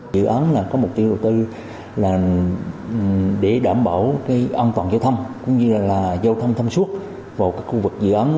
dự án có mục tiêu đầu tư là để đảm bảo an toàn giao thăm cũng như là giao thăm thăm suốt vào các khu vực dự án